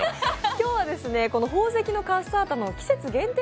今日は宝石のカッサータの季節限定